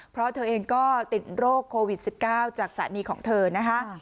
เพราะเธอเองก็ติดโรคโควิด๑๙จากสามีของเธอนะคะ